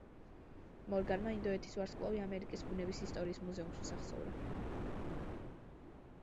მორგანმა ინდოეთის ვარსკვლავი ამერიკის ბუნების ისტორიის მუზეუმს უსახსოვრა.